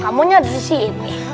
kamunya ada di sini